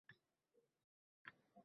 Va g‘o‘zani nobud qildi.